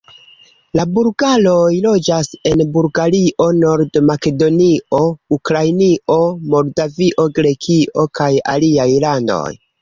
La bulgaroj loĝas en Bulgario, Nord-Makedonio, Ukrainio, Moldavio, Grekio kaj aliaj landoj.